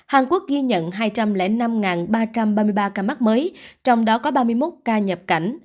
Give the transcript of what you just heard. hàn quốc ghi nhận hai trăm linh năm ba trăm ba mươi ba ca mắc mới trong đó có ba mươi một ca nhập cảnh